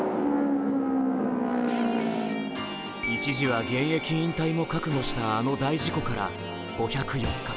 一時は現役引退も覚悟したあの大事故から５０４日。